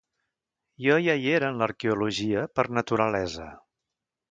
Jo ja hi era en l'arqueologia per naturalesa.